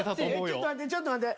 ちょっと待ってちょっと待って。